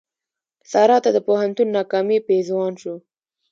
سارا ته د پوهنتون ناکامي پېزوان شو.